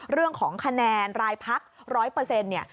เรื่องของคะแนนรายภักดิ์๑๐๐